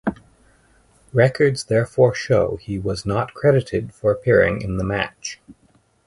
Records therefore show he was not credited for appearing in the match.